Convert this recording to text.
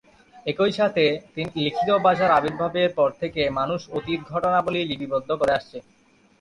একই সাথে, লিখিত ভাষার আবির্ভাবের পর থেকে মানুষ অতীত ঘটনাবলী লিপিবদ্ধ করে আসছে।